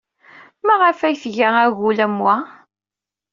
Maɣef ay tga agul am wa?